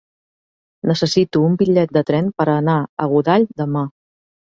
Necessito un bitllet de tren per anar a Godall demà.